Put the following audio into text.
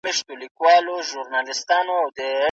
کله نا کله چې ټولنه همکاره وي، ستونزې به لویې نه شي.